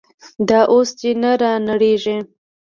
دا اوس دې نه رانړېږي.